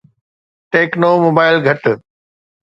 techno mobile گهٽ